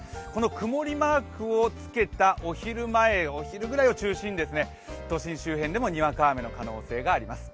くもりマークをつけたお昼前、お昼ぐらいを中心に都心中心でもにわか雨の可能性があります。